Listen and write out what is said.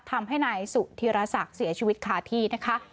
ทำให้นายสุธีรศักดิ์เสียชีวิตคาที่นะคะ